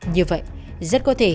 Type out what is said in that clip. như vậy rất có thể